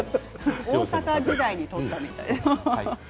大阪時代に撮ったみたいですよ。